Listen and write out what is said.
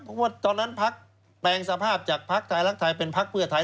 เพราะว่าตอนนั้นพักแปลงสภาพจากภักดิ์ไทยรักไทยเป็นพักเพื่อไทย